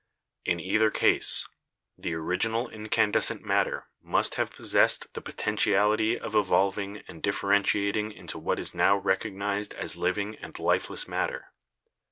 In either case the original incandescent matter must have possessed the potentiality of evolving and differentia ting into what is now recognised as living and lifeless matter.